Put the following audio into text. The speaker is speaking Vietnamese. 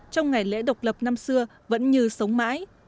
trong ngày lễ độc lập năm xưa vẫn như sống mãi